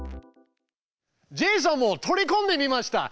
ジェイソンも取りこんでみました。